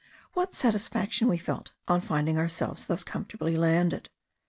What satisfaction we felt on finding ourselves thus comfortably landed!